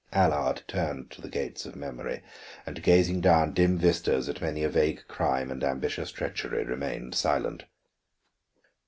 Allard turned to the gates of memory, and gazing down dim vistas at many a vague crime and ambitious treachery, remained silent.